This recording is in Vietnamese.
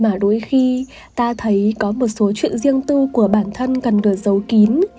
mà đôi khi ta thấy có một số chuyện riêng tư của bản thân cần được giấu kín